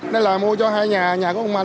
nên là mua cho hai nhà nhà của ông anh